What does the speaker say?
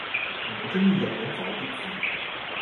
唔中意日本仔啲字